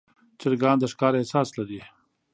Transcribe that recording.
چرګان د ښکار احساس لري.